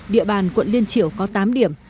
địa bàn quận liên triểu có tám điểm